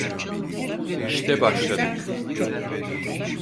İşte başladık.